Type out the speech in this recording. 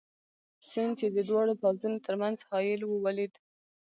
سیند، چې د دواړو پوځونو تر منځ حایل وو، ولید.